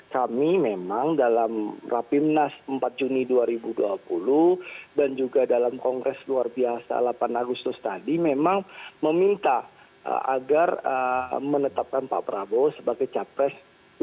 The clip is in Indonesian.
kami memang dalam rapimnas empat juni dua ribu dua puluh dan juga dalam kongres luar biasa delapan agustus tadi memang meminta agar menetapkan pak prabowo sebagai capres dua ribu dua puluh